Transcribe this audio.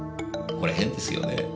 これ変ですよね？